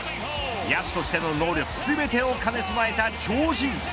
野手としての能力全てを兼ね備えた超人。